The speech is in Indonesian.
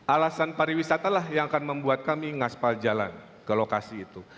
alasan pariwisata lah yang akan membuat kami ngaspal jalan ke lokasi itu